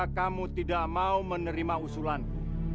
kamu tidak mau menerima usulanku